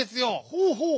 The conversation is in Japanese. ほうほう！